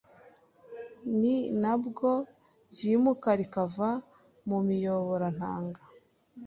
ni nabwo ryimuka rikava mu miyoborantanga